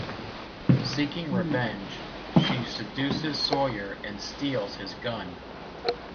Seeking revenge, she seduces Sawyer and steals his gun.